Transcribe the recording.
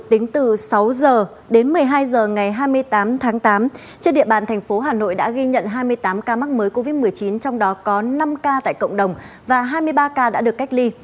tính từ sáu h đến một mươi hai h ngày hai mươi tám tháng tám trên địa bàn thành phố hà nội đã ghi nhận hai mươi tám ca mắc mới covid một mươi chín trong đó có năm ca tại cộng đồng và hai mươi ba ca đã được cách ly